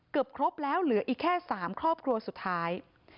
ครบแล้วเหลืออีกแค่๓ครอบครัวสุดท้าย